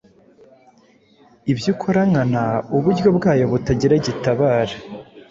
Ibyo ukora nkana uburyo bwayo butagira gitabara;